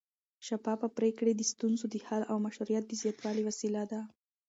شفافه پرېکړې د ستونزو د حل او مشروعیت د زیاتوالي وسیله دي